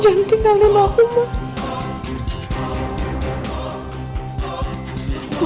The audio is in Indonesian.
jangan tinggalin aku mama